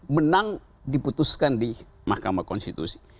menang diputuskan di mahkamah konstitusi